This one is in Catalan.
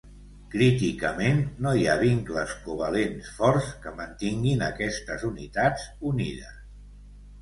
Críticament, no hi ha vincles ‘covalents’ forts que mantinguin aquestes unitats unides.